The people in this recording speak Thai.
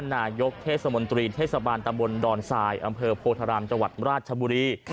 นายกเทศมนตรีเทศบาลตะบลดอนสายอำเภอโพธรรมจราชบุรี